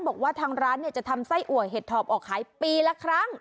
บอกว่าทางร้านจะทำไส้อัวเห็ดถอบออกขายปีละครั้ง